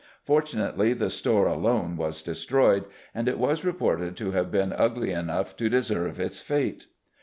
Fortunately, the store alone was destroyed, and it was reported to have been ugly enough to deserve its fate.